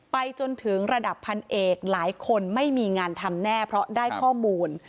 ไปจนถึงระดับพันเอกหลายคนไม่มีงานทำแน่เพราะได้ข้อมูล